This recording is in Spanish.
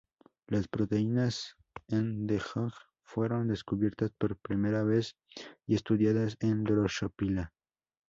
Las proteínas hedgehog fueron descubiertas por primera vez y estudiadas en "Drosophila".